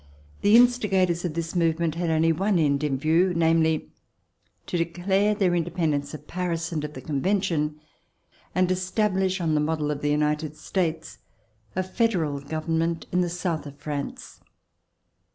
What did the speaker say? The insti gators of this movement had only one end in view, namely: to declare their independence of Paris and of the Convention and establish on the model of the United States a federal government in the south of France.